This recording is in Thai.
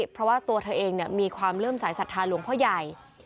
เพราะว่าตัวเธอเองมีความเริ่มสายศรัทธาหลวงพ่อใหญ่